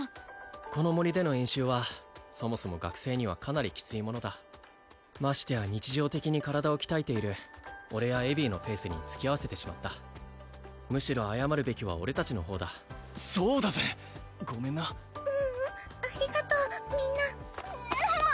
この森での演習はそもそも学生にはかなりキツいものだましてや日常的に体を鍛えている俺やエヴィのペースに付き合わせてしまったむしろ謝るべきは俺達の方だそうだぜごめんなううんありがとうみんなもう！